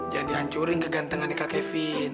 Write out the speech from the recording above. jangan di ancuri kegantengan kak kevin